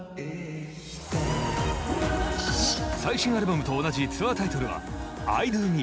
最新アルバムと同じツアータイトルは「ｉＤＯＭＥ」。